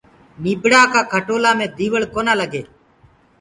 نيٚڀڙآ ڪآ کٽولآ مي ديوݪ ڪونآ لگي